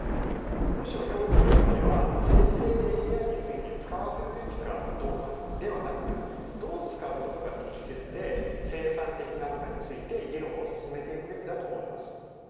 むしろ教育現場では生成ＡＩについて使わせるべきかどうか、ではなくどう使うことが適切で生産的なのかについて、議論を進めていくべきだと思います。